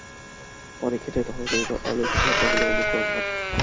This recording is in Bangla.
অনেক ক্ষেত্রেই তথাকথিত অলৌকিক ঘটনাগুলি অনুকরণমাত্র।